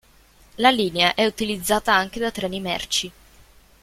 La linea è utilizzata anche da treni merci.